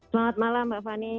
selamat malam mbak fani